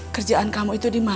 kerjaan kamu itu dimana sih